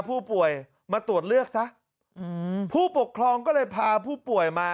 ผู้ป่วยมาตรวจเลือกซะอืมผู้ปกครองก็เลยพาผู้ป่วยมา